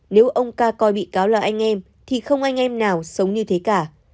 nếu ông ca coi bị cáo là anh em thì không anh em nào sống như thế cả